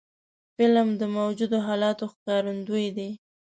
فلم د موجودو حالاتو ښکارندوی دی